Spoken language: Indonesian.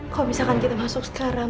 kalau misalkan kita masuk sekarang